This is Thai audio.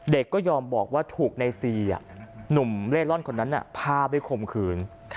เด็กก็ยอมบอกว่าถูกในซีอ่ะหนุ่มเล่นร่อนคนนั้นน่ะพาไปขมขืน